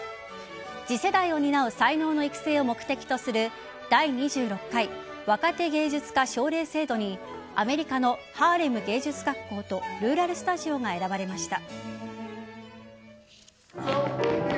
次世代を担う才能の育成を目的とする第２６回若手芸術家奨励制度にアメリカのハーレム芸術学校とルーラル・スタジオが選ばれました。